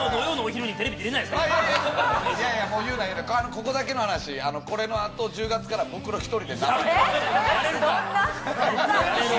ここだけの話、これのあと、１０月からブクロ１人で。